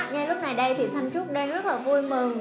ngay lúc này đây thì thanh trúc đây rất là vui mừng